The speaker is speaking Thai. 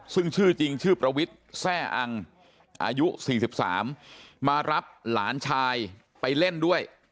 ซึ่งชื่อจริงชื่อประวิทย์แซ่อังอายุ๔๓มารับหลานชายไปเล่นด้วย